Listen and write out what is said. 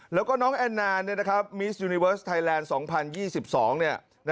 แล้วก็น้องแอนนานมิสยูนิเวิร์สไทยแลนด์๒๐๒๒